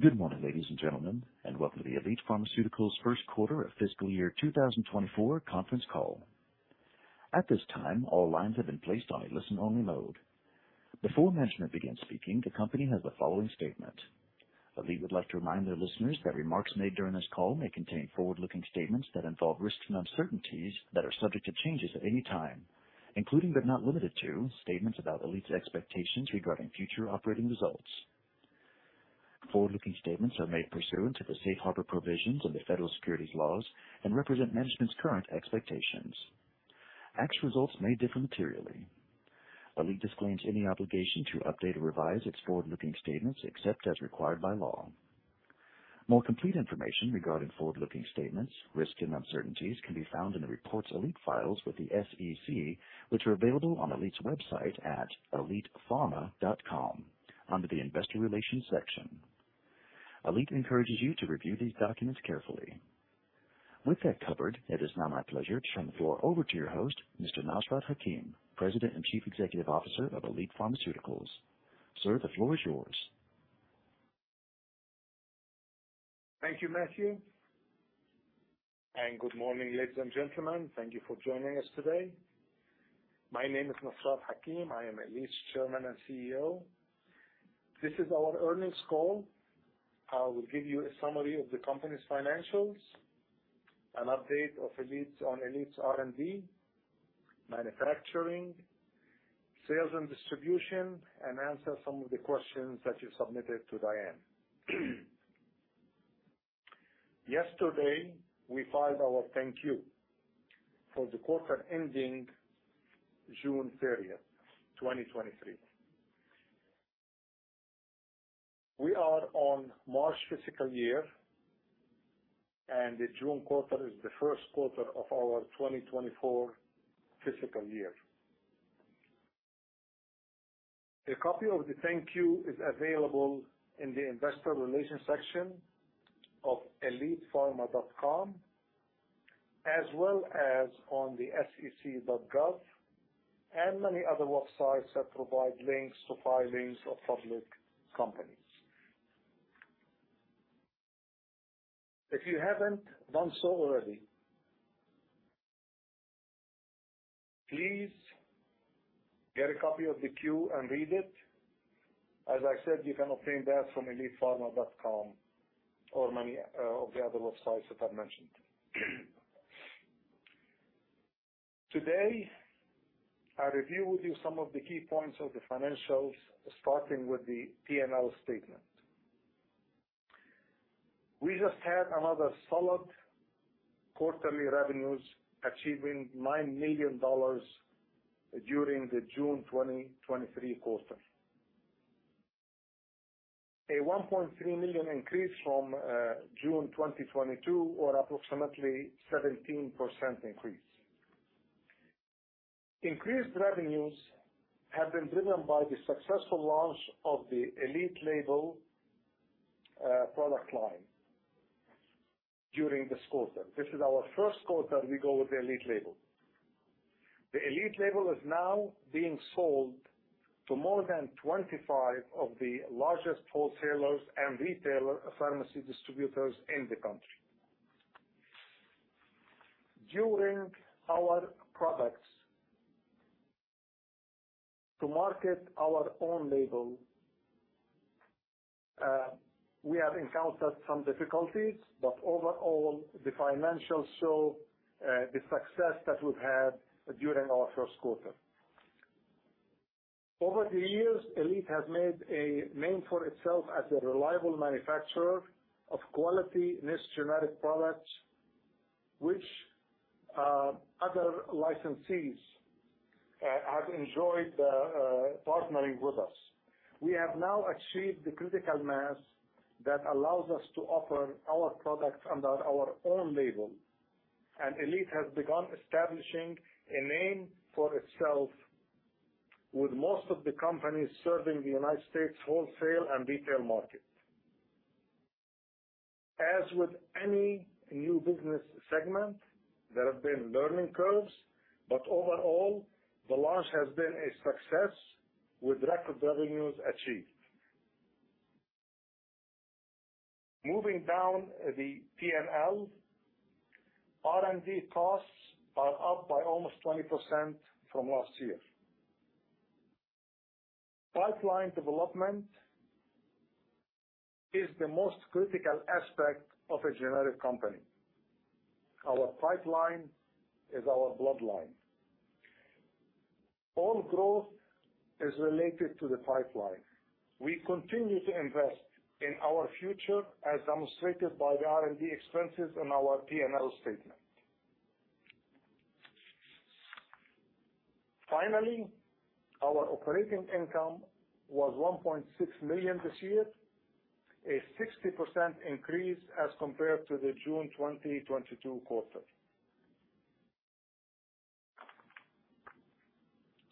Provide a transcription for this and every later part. Good morning, ladies and gentlemen, and welcome to the Elite Pharmaceuticals first quarter of fiscal year 2024 conference call. At this time, all lines have been placed on a listen-only mode. Before management begins speaking, the company has the following statement. Elite would like to remind their listeners that remarks made during this call may contain forward-looking statements that involve risks and uncertainties that are subject to changes at any time, including, but not limited to, statements about Elite's expectations regarding future operating results. Forward-looking statements are made pursuant to the Safe Harbor provisions of the federal securities laws and represent management's current expectations. Actual results may differ materially. Elite disclaims any obligation to update or revise its forward-looking statements, except as required by law. More complete information regarding forward-looking statements, risks, and uncertainties can be found in the reports Elite files with the SEC, which are available on Elite's website at elitepharma.com, under the Investor Relations section. Elite encourages you to review these documents carefully. With that covered, it is now my pleasure to turn the floor over to your host, Mr. Nasrat Hakim, President and Chief Executive Officer of Elite Pharmaceuticals. Sir, the floor is yours. Thank you, Matthew. Good morning, ladies and gentlemen. Thank you for joining us today. My name is Nasrat Hakim. I am Elite's Chairman and CEO. This is our earnings call. I will give you a summary of the company's financials, an update of Elite's on Elite's R&D, manufacturing, sales and distribution, and answer some of the questions that you submitted to Dianne. Yesterday, we filed our 10-Q for the quarter ending June 30th, 2023. We are on March fiscal year. The June quarter is the first quarter of our 2024 fiscal year. A copy of the 10-Q is available in the investor relations section of elitepharma.com, as well as on sec.gov and many other websites that provide links to filings of public companies. If you haven't done so already, please get a copy of the Q and read it. As I said, you can obtain that from elitepharma.com or many of the other websites that I've mentioned. Today, I'll review with you some of the key points of the financials, starting with the P&L statement. We just had another solid quarterly revenues, achieving $9 million during the June 2023 quarter. A $1.3 million increase from June 2022, or approximately 17% increase. Increased revenues have been driven by the successful launch of the Elite label product line during this quarter. This is our first quarter we go with the Elite label. The Elite label is now being sold to more than 25 of the largest wholesalers and retailer pharmacy distributors in the country. During our products to market our own label, we have encountered some difficulties, but overall, the financials show the success that we've had during our first quarter. Over the years, Elite has made a name for itself as a reliable manufacturer of quality niche generic products, which other licensees have enjoyed partnering with us. We have now achieved the critical mass that allows us to offer our products under our own label, and Elite has begun establishing a name for itself with most of the companies serving the United States wholesale and retail market. As with any new business segment, there have been learning curves, but overall, the launch has been a success, with record revenues achieved. Moving down the P&L, R&D costs are up by almost 20% from last year. Pipeline development is the most critical aspect of a generic company. Our pipeline is our bloodline. All growth is related to the pipeline. We continue to invest in our future, as demonstrated by the R&D expenses in our P&L statement. Finally, our operating income was $1.6 million this year, a 60% increase as compared to the June 2022 quarter.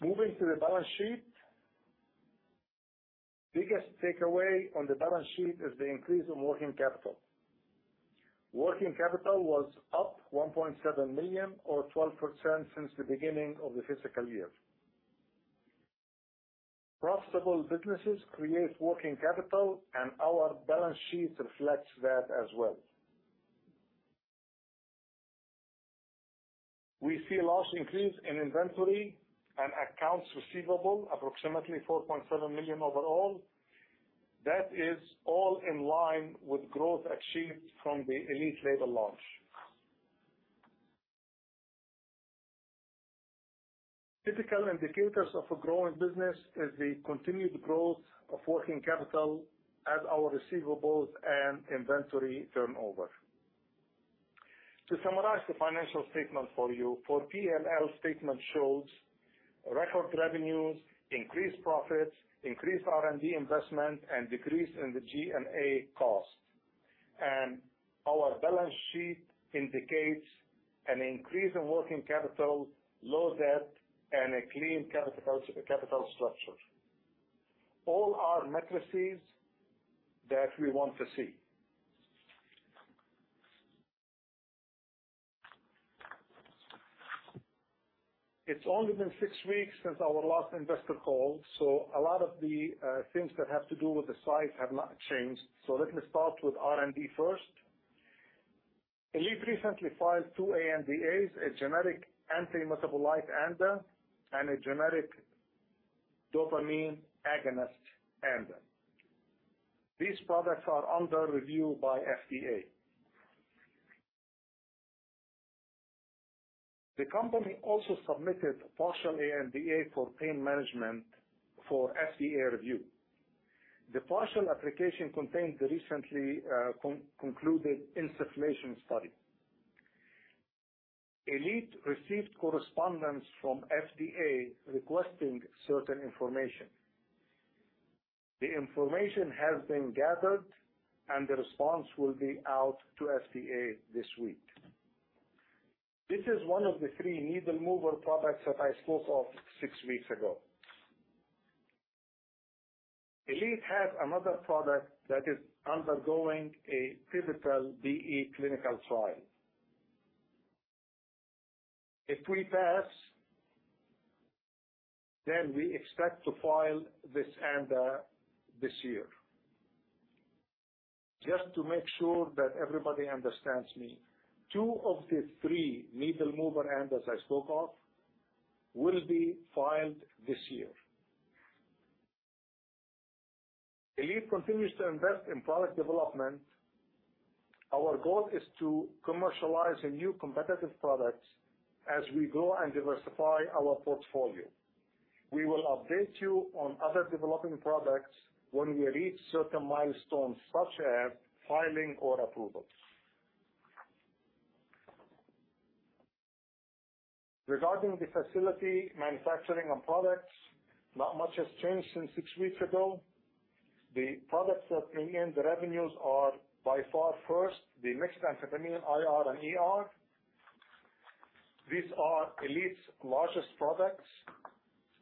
Moving to the balance sheet. Biggest takeaway on the balance sheet is the increase in working capital. Working capital was up $1.7 million or 12% since the beginning of the fiscal year. Profitable businesses create working capital, and our balance sheet reflects that as well. We see a large increase in inventory and accounts receivable, approximately $4.7 million overall. That is all in line with growth achieved from the Elite label launch. Typical indicators of a growing business is the continued growth of working capital as our receivables and inventory turnover. To summarize the financial statement for you, for P&L statement shows record revenues, increased profits, increased R&D investment, and decrease in the G&A cost. Our balance sheet indicates an increase in working capital, low debt, and a clean capital, capital structure. All are matrices that we want to see. It's only been six weeks since our last investor call, so a lot of the things that have to do with the site have not changed. Let me start with R&D first. Elite recently filed two ANDAs, a generic antimetabolite ANDA, and a generic dopamine agonist ANDA. These products are under review by FDA. The company also submitted a partial ANDA for pain management for FDA review. The partial application contained the recently concluded insufflation study. Elite received correspondence from FDA requesting certain information. The information has been gathered, and the response will be out to FDA this week. This is one of the three needle-mover products that I spoke of six weeks ago. Elite has another product that is undergoing a pivotal BE clinical trial. If we pass, we expect to file this ANDA this year. Just to make sure that everybody understands me, two of the three needle-mover ANDAs I spoke of will be filed this year. Elite continues to invest in product development. Our goal is to commercialize a new competitive product as we grow and diversify our portfolio. We will update you on other developing products when we reach certain milestones, such as filing or approval. Regarding the facility, manufacturing, and products, not much has changed since six weeks ago. The products that bring in the revenues are by far first, the mixed Amphetamine IR and ER. These are Elite's largest products.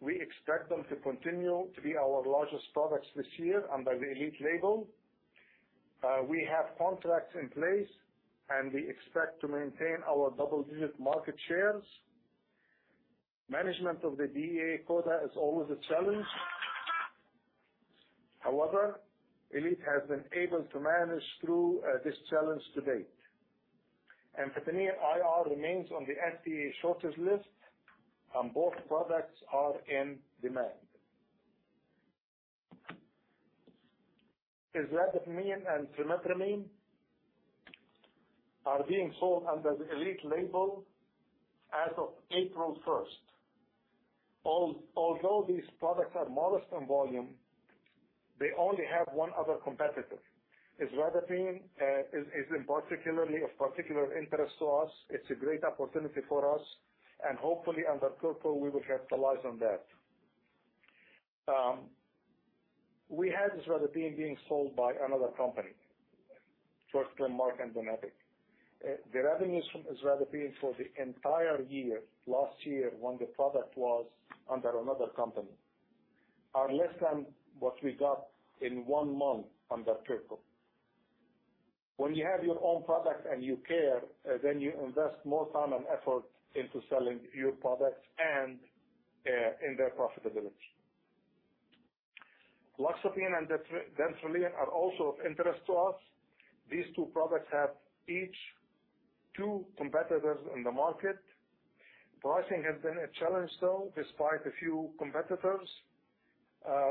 We expect them to continue to be our largest products this year under the Elite label. We have contracts in place, and we expect to maintain our double-digit market shares. Management of the DEA quota is always a challenge. However, Elite has been able to manage through this challenge to date. Amphetamine IR remains on the FDA Drug Shortages list, and both products are in demand. Isradipine and Trimipramine are being sold under the Elite label as of April 1st. Although these products are modest in volume, they only have one other competitor. Isradipine is in particularly, of particular interest to us. It's a great opportunity for us, and hopefully under Turko, we will capitalize on that. We had Isradipine being sold by another company, Mark and Bonatic. The revenues from Isradipine for the entire year, last year, when the product was under another company, are less than what we got in one month under Turko. When you have your own product and you care, then you invest more time and effort into selling your products and in their profitability. Loxapine and Dantrolene are also of interest to us. These two products have each two competitors in the market. Pricing has been a challenge, though, despite a few competitors.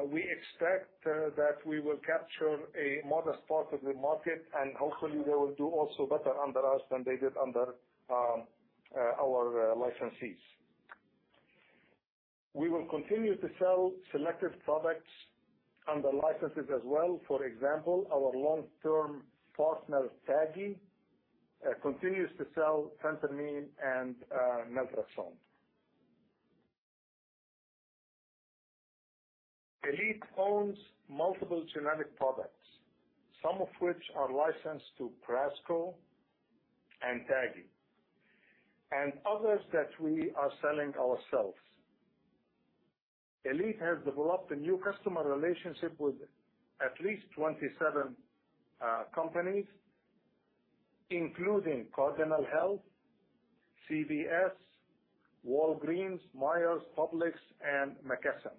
We expect that we will capture a modest part of the market, and hopefully they will do also better under us than they did under our licensees. We will continue to sell selected products under licenses as well. For example, our long-term partner, TAGI, continues to sell phentermine and naltrexone. Elite owns multiple generic products, some of which are licensed to Prasco and TAGI, and others that we are selling ourselves.... Elite has developed a new customer relationship with at least 27 companies, including Cardinal Health, CVS, Walgreens, Meijer, Publix, and McKesson.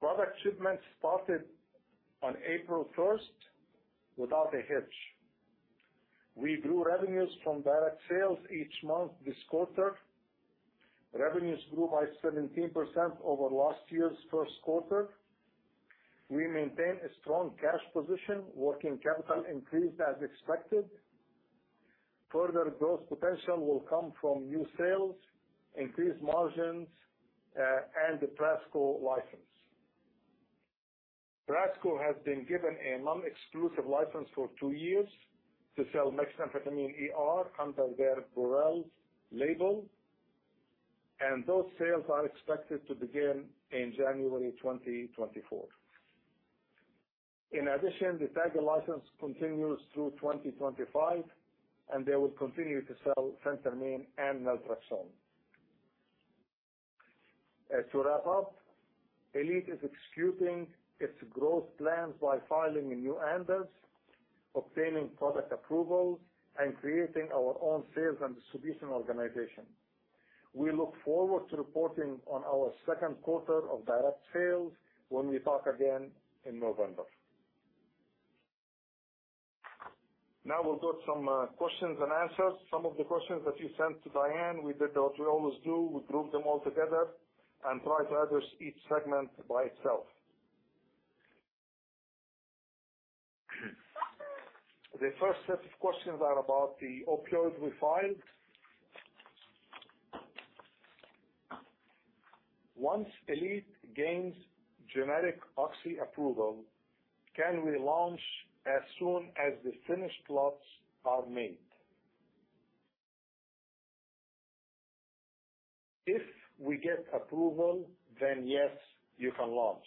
Product shipments started on April 1st without a hitch. We grew revenues from direct sales each month this quarter. Revenues grew by 17% over last year's 1st quarter. We maintain a strong cash position. Working capital increased as expected. Further growth potential will come from new sales, increased margins, and the Prasco license. Prasco has been given a non-exclusive license for two years to sell Dextroamphetamine ER under their Burel label, and those sales are expected to begin in January 2024. In addition, the Teva license continues through 2025, and they will continue to sell phentermine and naltrexone. To wrap up, Elite is executing its growth plans by filing new ANDAs, obtaining product approvals, and creating our own sales and distribution organization. We look forward to reporting on our second quarter of direct sales when we talk again in November. Now we'll go to some questions and answers. Some of the questions that you sent to Dianne, we did what we always do, we grouped them all together and tried to address each segment by itself. The first set of questions are about the opioids we filed. "Once Elite gains generic oxy approval, can we launch as soon as the finished products are made?" If we get approval, then yes, you can launch.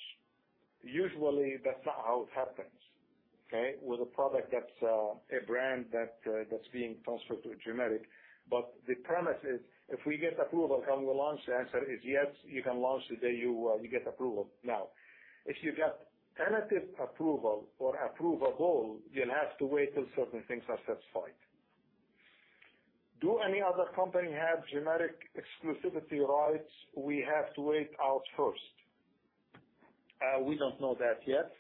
Usually, that's not how it happens, okay? With a product that's a brand that's being transferred to a generic. The premise is, if we get approval, can we launch? The answer is yes, you can launch the day you get approval. Now, if you get tentative approval or approvable, you'll have to wait till certain things are satisfied. "Do any other company have generic exclusivity rights? We have to wait out first." We don't know that yet.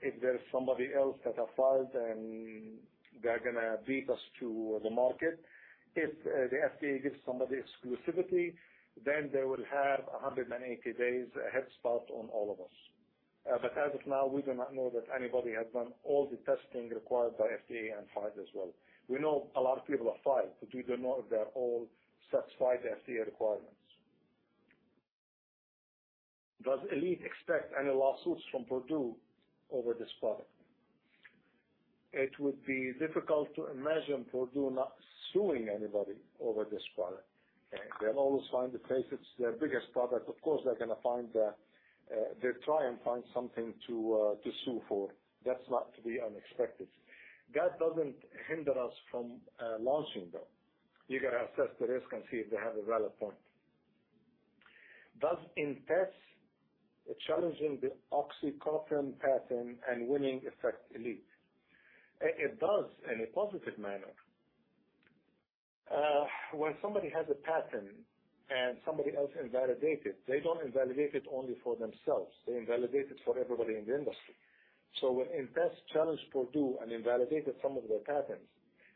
If there's somebody else that have filed, then they're gonna beat us to the market. If the FDA gives somebody exclusivity, then they will have 180 days head start on all of us. As of now, we do not know that anybody has done all the testing required by FDA and filed as well. We know a lot of people have filed, but we don't know if they all satisfied FDA requirements. Does Elite expect any lawsuits from Purdue over this product?" It would be difficult to imagine Purdue not suing anybody over this product. They'll always find a case. It's their biggest product. Of course, they're gonna find... They'll try and find something to sue for. That's not to be unexpected. That doesn't hinder us from launching, though. You gotta assess the risk and see if they have a valid point. "Does Impax challenging the OxyContin patent and winning affect Elite?" It does, in a positive manner. When somebody has a patent and somebody else invalidates it, they don't invalidate it only for themselves, they invalidate it for everybody in the industry. When Impax challenged Purdue and invalidated some of their patents,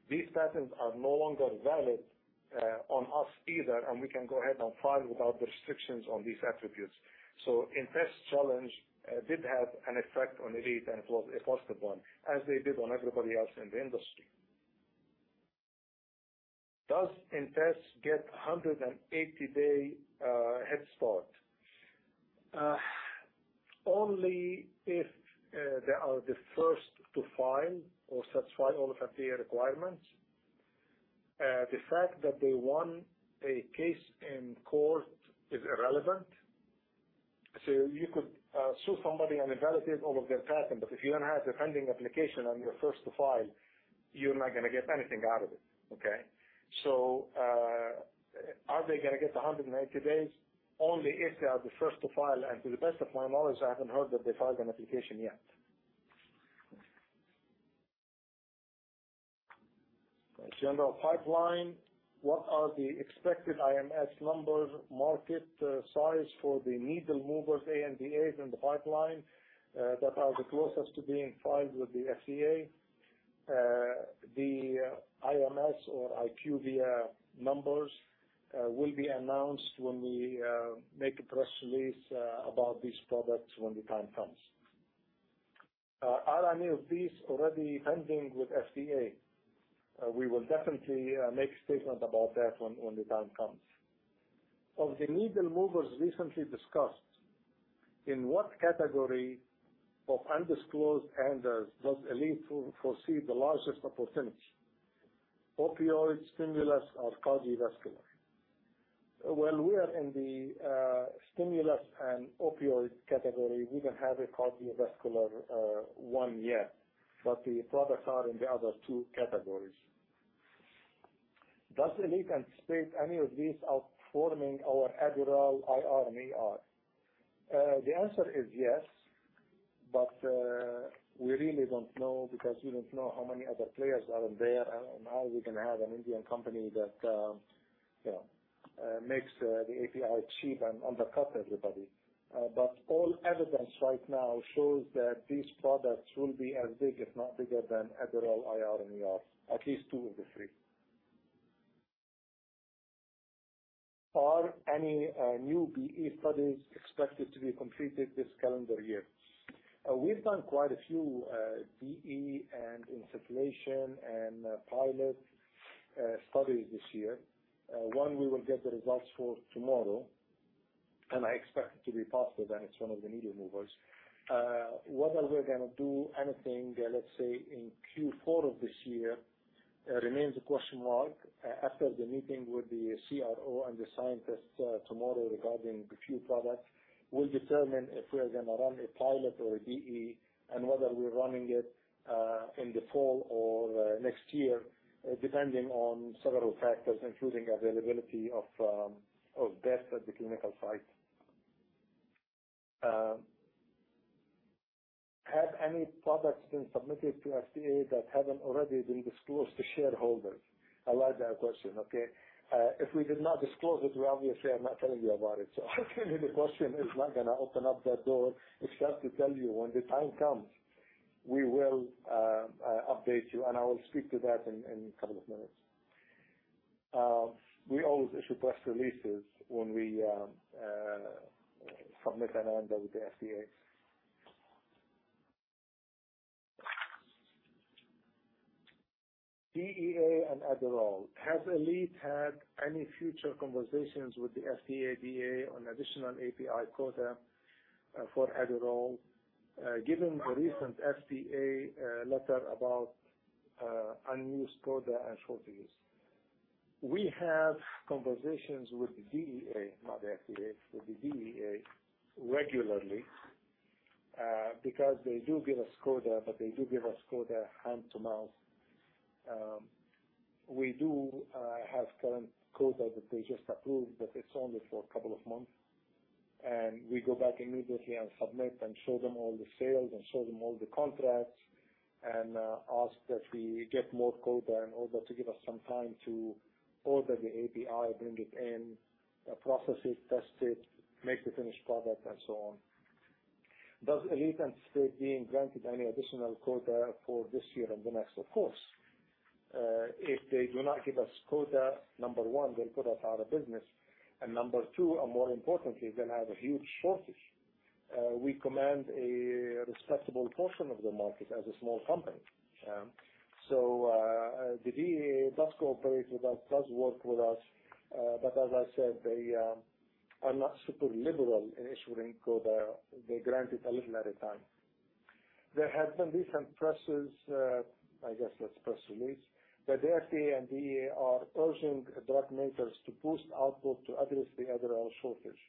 these patents are no longer valid on us either, and we can go ahead and file without restrictions on these attributes. Impax' challenge did have an effect on Elite, and it was a positive one, as they did on everybody else in the industry. Does Impax get a 180 day head start? Only if they are the first to file or satisfy all the FDA requirements. The fact that they won a case in court is irrelevant. You could sue somebody and invalidate all of their patent, but if you don't have the pending application and you're first to file, you're not gonna get anything out of it, okay? Are they gonna get the 180 days? Only if they are the first to file, and to the best of my knowledge, I haven't heard that they filed an application yet. General pipeline. What are the expected IMS numbers, market, size for the needle movers, ANDAs in the pipeline, that are the closest to being filed with the FDA? The IMS or IQVIA numbers, will be announced when we make a press release about these products when the time comes. Are any of these already pending with FDA? We will definitely make a statement about that when, when the time comes. Of the needle movers recently discussed, in what category of undisclosed ANDAs does Elite foresee the largest opportunity? Opioid, stimulant, or cardiovascular? Well, we are in the... stimulant and opioid category. We don't have a cardiovascular one yet, but the products are in the other two categories. Does Elite anticipate any of these outperforming our Adderall IR and ER? The answer is yes, but we really don't know because we don't know how many other players are in there, and, and how we can have an Indian company that, you know, makes the API cheap and undercut everybody. But all evidence right now shows that these products will be as big, if not bigger, than Adderall IR and ER, at least two of the three. Are any new BE studies expected to be completed this calendar year? We've done quite a few BE and insufflation and pilot studies this year. 1, we will get the results for tomorrow, I expect it to be positive, and it's one of the needle movers. Whether we're gonna do anything, let's say, in Q4 of this year, remains a question mark. After the meeting with the CRO and the scientists tomorrow regarding a few products, we'll determine if we are gonna run a pilot or a BE. Whether we're running it in the fall or next year, depending on several factors, including availability of beds at the clinical site. Have any products been submitted to FDA that haven't already been disclosed to shareholders? I like that question, okay. If we did not disclose it, we obviously are not telling you about it. I think the question is not gonna open up that door, except to tell you when the time comes, we will update you, and I will speak to that in a couple of minutes. We always issue press releases when we submit an NDA with the FDA. DEA and Adderall. Has Elite had any future conversations with the FDA, DEA on additional API quota for Adderall, given the recent FDA letter about unused quota and shortages? We have conversations with the DEA, not the FDA, with the DEA regularly, because they do give us quota, but they do give us quota hand to mouth. We do have current quota that they just approved, it's only for two months, we go back immediately and submit and show them all the sales and show them all the contracts. Ask that we get more quota in order to give us some time to order the API, bring it in, process it, test it, make the finished product, and so on. Does Elite anticipate being granted any additional quota for this year and the next? Of course. If they do not give us quota, number one, they'll put us out of business, number two, and more importantly, they'll have a huge shortage. We command a respectable portion of the market as a small company. The DEA does cooperate with us, does work with us, but as I said, they are not super liberal in issuing quota. They grant it a little at a time. There have been recent presses, press release, that the FDA and DEA are urging drug makers to boost output to address the Adderall shortage.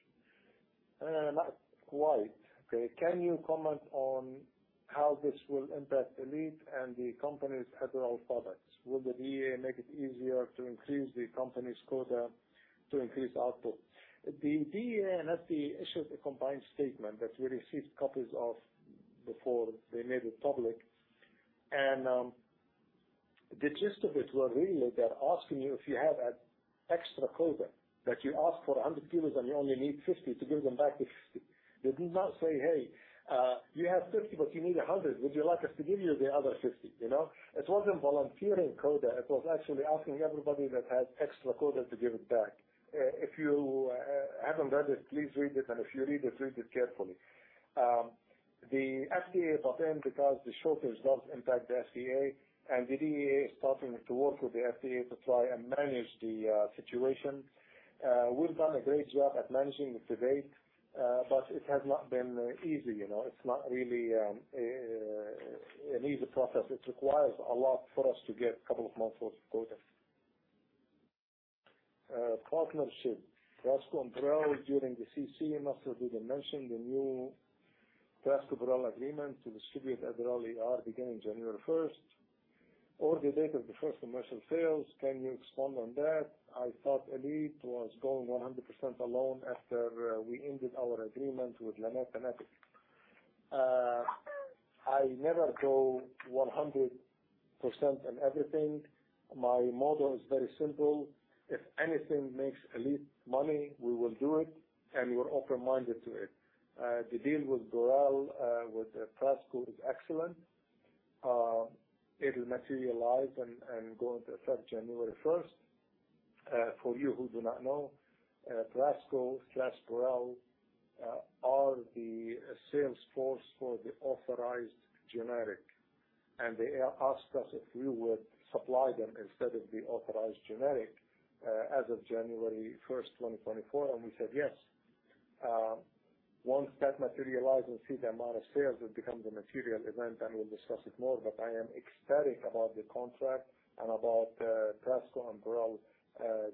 Not quite. Okay, can you comment on how this will impact Elite and the company's Adderall products? Will the DEA make it easier to increase the company's quota to increase output? The DEA and FDA issued a combined statement that we received copies of before they made it public. The gist of it was really they're asking you if you have an extra quota, that you ask for 100 kilos and you only need 50, to give them back the 50. They did not say, "Hey, you have 50, but you need 100. Would you like us to give you the other 50?" You know? It wasn't volunteering quota. It was actually asking everybody that had extra quota to give it back. If you haven't read it, please read it, and if you read it, read it carefully. The FDA got in because the shortage does impact the FDA, and the DEA is starting to work with the FDA to try and manage the situation. We've done a great job at managing it to date, but it has not been easy. You know, it's not really an easy process. It requires a lot for us to get two months worth of quota. Partnership. Prasco and Burel during the CC, Mr. Hakim mentioned the new Prasco-Burel agreement to distribute Adderall XR beginning January 1st or the date of the first commercial sales. Can you expand on that? I thought Elite was going 100% alone after we ended our agreement with Lannett and Epic. I never go 100% on everything. My model is very simple: If anything makes Elite money, we will do it, and we're open-minded to it. The deal with Burel, with Prasco is excellent. It'll materialize and go into effect January 1st. For you who do not know, Prasco/Burel are the sales force for the authorized generic, and they asked us if we would supply them instead of the authorized generic, as of January 1st, 2024, and we said yes. Once that materializes and see the amount of sales, it becomes a material event, and we'll discuss it more. I am ecstatic about the contract and about Prasco and Burel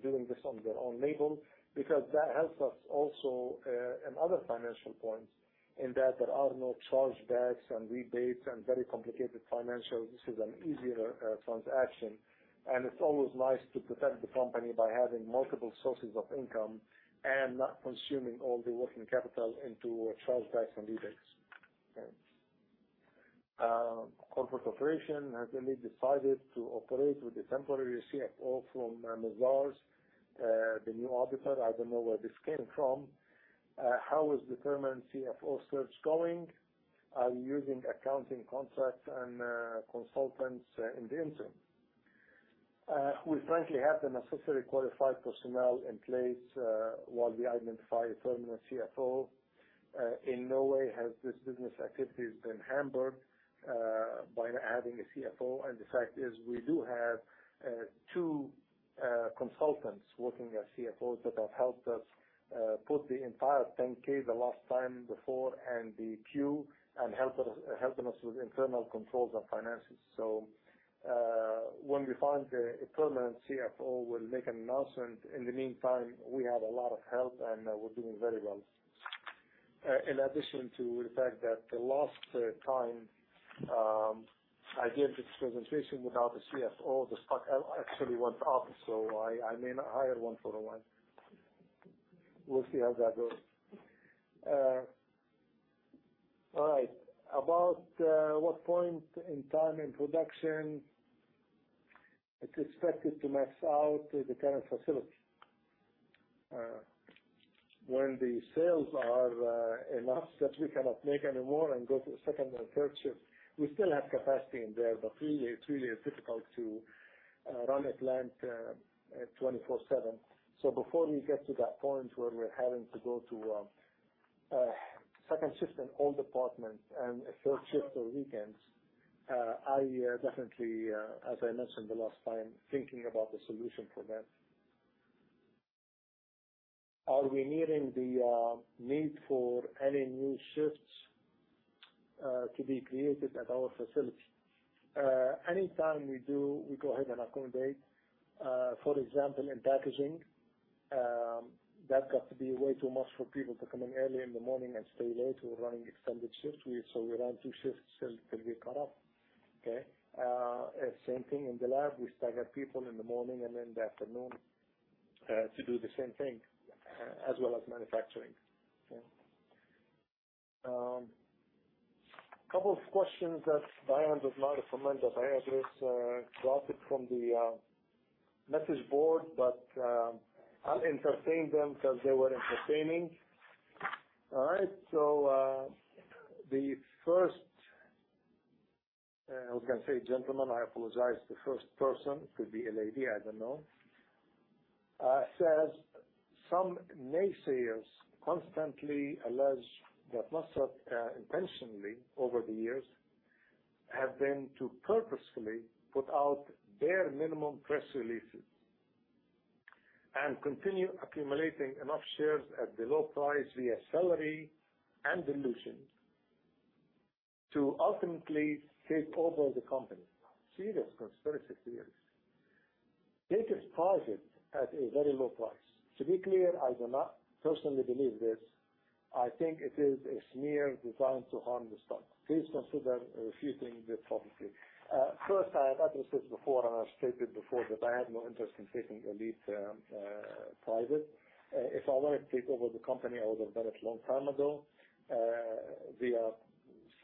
doing this on their own label, because that helps us also in other financial points, in that there are no chargebacks and rebates and very complicated financials. This is an easier transaction, and it's always nice to protect the company by having multiple sources of income and not consuming all the working capital into chargebacks and rebates. Okay. Corporate operation has been decided to operate with a temporary CFO from Mazars, the new auditor. I don't know where this came from. How is determined CFO search going? Are you using accounting contracts and consultants in the interim? We frankly have the necessary qualified personnel in place, while we identify a permanent CFO. In no way has this business activity has been hampered, by not having a CFO. The fact is, we do have two consultants working as CFOs that have helped us put the entire Form 10-K the last time before, and the Q, and helping us with internal controls and finances. When we find a permanent CFO, we'll make an announcement. In the meantime, we have a lot of help, and we're doing very well. In addition to the fact that the last time, I gave this presentation without a CFO, the stock actually went up, so I may not hire one for a while. We'll see how that goes. All right. About what point in time in production it's expected to max out the current facility? When the sales are enough that we cannot make anymore and go to second and third shift, we still have capacity in there, but really, it's really difficult to run a plant 24/7. Before we get to that point where we're having to go to second shift in all departments and a third shift on weekends, I definitely, as I mentioned the last time, thinking about the solution for that. Are we nearing the need for any new shifts to be created at our facility? Anytime we do, we go ahead and accommodate. For example, in packaging, that got to be way too much for people to come in early in the morning and stay late. We're running extended shifts, so we run two shifts till we caught up. Okay? Same thing in the lab. We stagger people in the morning and in the afternoon to do the same thing, as well as manufacturing. Okay. Couple of questions that Dianne does not remember that I address, dropped it from the message board, but I'll entertain them because they were entertaining. All right, the first, I was gonna say, gentleman, I apologize. The first person, could be a lady, I don't know, says, "Some naysayers constantly allege that Nasrat intentionally over the years, have been to purposefully put out bare minimum press releases and continue accumulating enough shares at the low price via salary and dilution to ultimately take over the company." Serious conspiracy theories. "Take it private at a very low price. To be clear, I do not personally believe this. I think it is a smear designed to harm the stock. Please consider refuting this publicly." First, I have addressed this before, and I've stated before that I have no interest in taking ELTP private. If I wanted to take over the company, I would have done it long time ago, via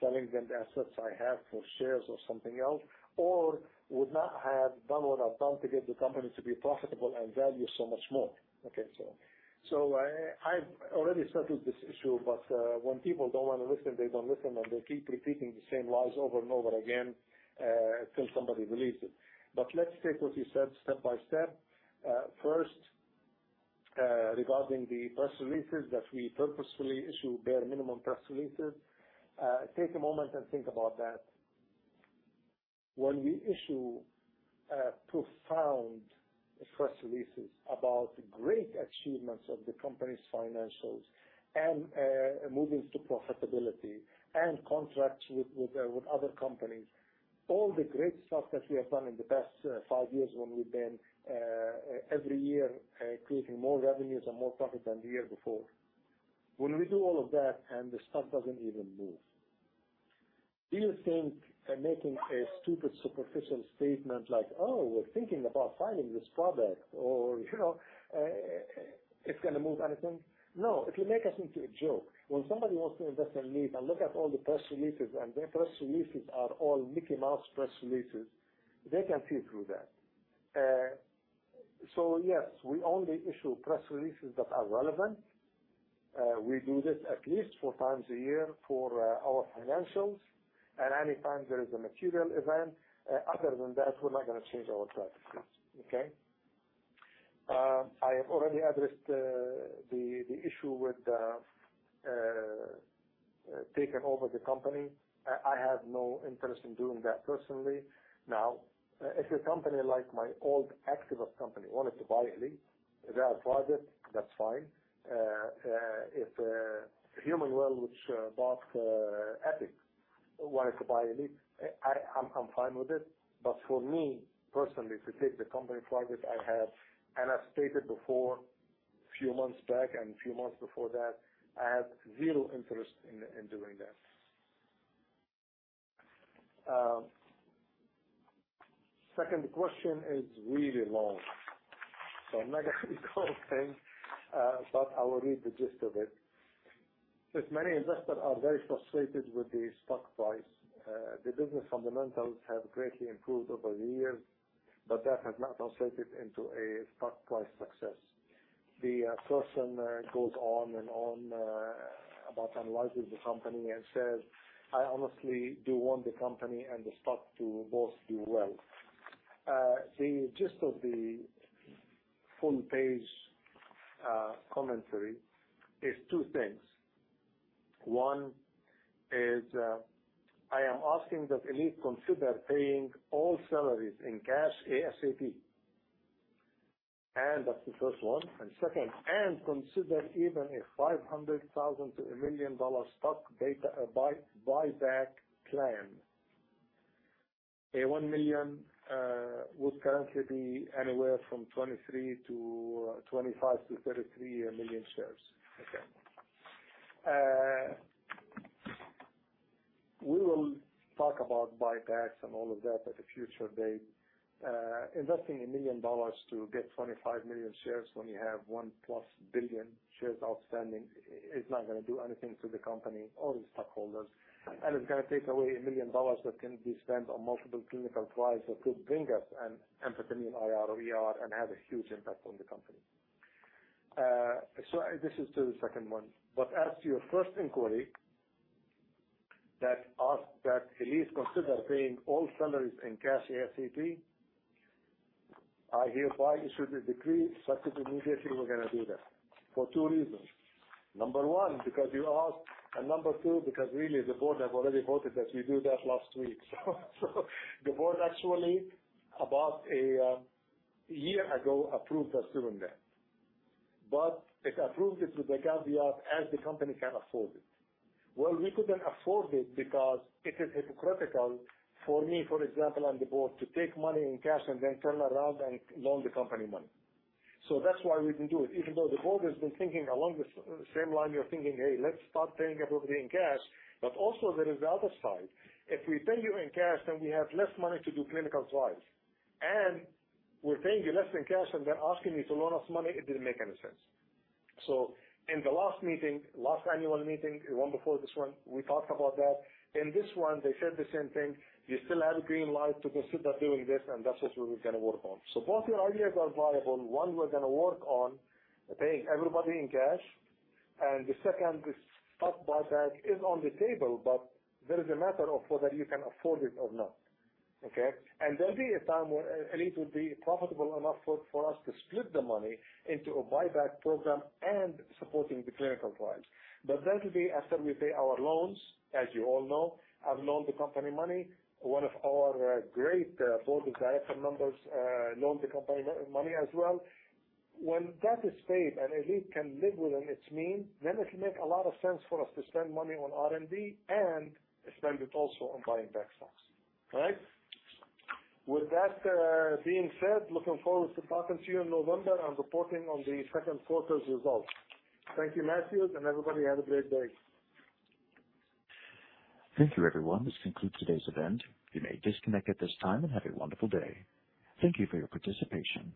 selling the assets I have for shares or something else, or would not have done what I've done to get the company to be profitable and value so much more. Okay, so I've already settled this issue, but when people don't want to listen, they don't listen, and they keep repeating the same lies over and over again, until somebody believes it. Let's take what you said step by step. First, regarding the press releases that we purposefully issue bare minimum press releases. Take a moment and think about that. When we issue profound press releases about great achievements of the company's financials and moving to profitability and contracts with, with, with other companies, all the great stuff that we have done in the past five years when we've been every year creating more revenues and more profit than the year before. When we do all of that and the stock doesn't even move, do you think that making a stupid, superficial statement like, "Oh, we're thinking about filing this product", or, "You know, it's gonna move anything?" No, it'll make us into a joke. When somebody wants to invest in ELTP and look at all the press releases, and their press releases are all Mickey Mouse press releases, they can see through that. Yes, we only issue press releases that are relevant. We do this at least 4x a year for our financials and anytime there is a material event. Other than that, we're not gonna change our practices. Okay? I have already addressed the issue with taken over the company. I have no interest in doing that personally. Now, if a company like my old activist company wanted to buy Elite, they are private, that's fine. If Humanwell, which bought Epic, wanted to buy Elite, I'm fine with it. For me, personally, to take the company private, I have, and I've stated before, few months back and a few months before that, I have zero interest in, in doing that. Second question is really long. I'm not gonna read the whole thing, but I will read the gist of it. Many investors are very frustrated with the stock price, the business fundamentals have greatly improved over the years, but that has not translated into a stock price success. The person goes on and on about analyzing the company and says, "I honestly do want the company and the stock to both do well." The gist of the full page commentary is two things. One is, "I am asking that Elite consider paying all salaries in cash ASAP." That's the first one, and second, "Consider even a $500,000 to $1 million-dollar stock buyback plan." A $1 million would currently be anywhere from 23 million-33 million shares. Okay. We will talk about buybacks and all of that at a future date. Investing $1 million to get 25 million shares when you have 1+ billion shares outstanding, is not gonna do anything to the company or the stockholders. It's gonna take away $1 million that can be spent on multiple clinical trials that could bring us an Amphetamine IR or ER and have a huge impact on the company. This is to the second one. As to your first inquiry, that Elite consider paying all salaries in cash ASAP, I hereby issue the decree, such that immediately we're gonna do that, for two reasons. Number one, because you asked, and number two, because really, the board have already voted that we do that last week. The board actually, about a year ago, approved us doing that. It approved it with the caveat, as the company can afford it. We couldn't afford it because it is hypocritical for me, for example, on the board, to take money in cash and then turn around and loan the company money. That's why we didn't do it, even though the board has been thinking along the same line of thinking, "Hey, let's start paying everybody in cash." Also there is the other side. If we pay you in cash, then we have less money to do clinical trials. We're paying you less in cash, and then asking you to loan us money, it didn't make any sense. In the last meeting, last annual meeting, the one before this one, we talked about that. In this one, they said the same thing. You still have a green light to consider doing this, and that's what we were gonna work on. Both your ideas are viable. One, we're gonna work on paying everybody in cash, and the second, the stock buyback, is on the table, but there is a matter of whether you can afford it or not, okay. There'll be a time where Elite will be profitable enough for, for us to split the money into a buyback program and supporting the clinical trials. That will be after we pay our loans. As you all know, I've loaned the company money. One of our great board of directors members loaned the company money as well. When that is paid, and Elite can live within its means, then it will make a lot of sense for us to spend money on R&D and spend it also on buying back stocks. All right? With that being said, looking forward to talking to you in November and reporting on the second quarter's results. Thank you, Matthew, and everybody, have a great day. Thank you, everyone. This concludes today's event. You may disconnect at this time, and have a wonderful day. Thank you for your participation.